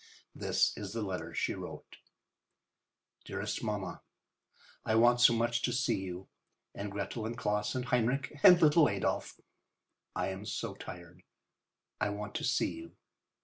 This is the letter she wrote: DEAREST MAMMA:—I want so much to see you. And Gretel and Claus and Heinrich and little Adolf. I am so tired. I want to see you.